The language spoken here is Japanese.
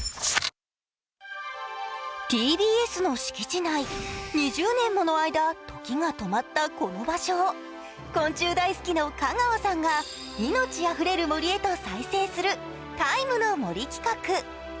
ＴＢＳの敷地内、２０年もの間、時が止まったこの場所を昆虫大好きの香川さんが命あふれる森へと再生する「ＴＩＭＥの森」企画。